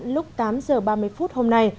lúc tám giờ ba mươi phút hôm nay